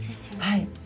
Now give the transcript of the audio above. はい。